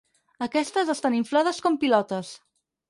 Aquestes estan inflades com pilotes.